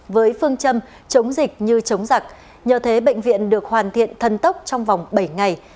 với phương châm chống dịch như chống giặc nhờ thế bệnh viện được hoàn thiện thần tốc trong vòng bảy ngày